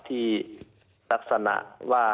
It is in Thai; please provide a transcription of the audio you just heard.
ที่ลักษณะว่า